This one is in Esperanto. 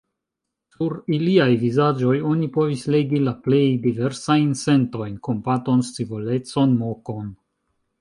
Sur iliaj vizaĝoj oni povis legi la plej diversajn sentojn: kompaton, scivolecon, mokon.